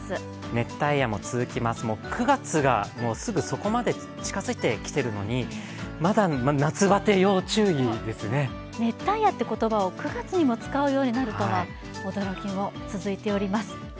熱帯夜も続きます、９月がすぐそこまで近づいてきているのに熱帯夜という言葉を９月にも使うことになるとは驚きも続いています。